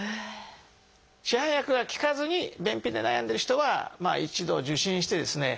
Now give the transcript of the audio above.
市販薬が効かずに便秘で悩んでる人はまあ一度受診してですね